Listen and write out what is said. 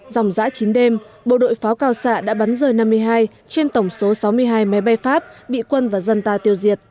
dòng giã chín đêm bộ đội pháo cao xạ đã bắn rời năm mươi hai trên tổng số sáu mươi hai máy bay pháp bị quân và dân ta tiêu diệt